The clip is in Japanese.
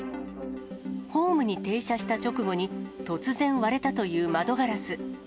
ホームに停車した直後に、突然割れたという窓ガラス。